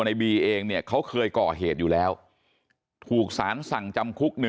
ในบีเองเนี่ยเขาเคยก่อเหตุอยู่แล้วถูกสารสั่งจำคุก